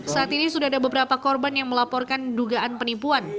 saat ini sudah ada beberapa korban yang melaporkan dugaan penipuan